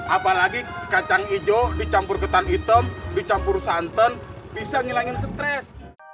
apalagi kacang hijau dicampur ketan hitam dicampur santan bisa ngilangin stres